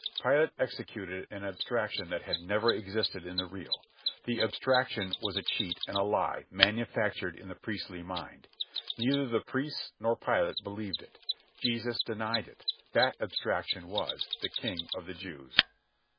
Pilate executed an abstraction that had never existed in the real. The abstraction was a cheat and a lie manufactured in the priestly mind. Neither the priests nor Pilate believed it. Jesus denied it. That abstraction was "The King of the Jews."